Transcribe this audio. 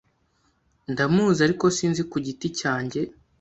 Ndamuzi, ariko sinzi ku giti cyanjye.